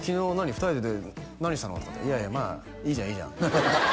２人で何したの？」とかって「いやいやまあいいじゃんいいじゃん」